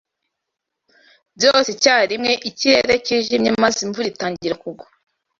Byose icyarimwe ikirere cyijimye maze imvura itangira kugwa.